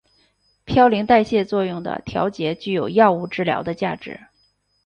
嘌呤代谢作用的调节具有药物治疗的价值。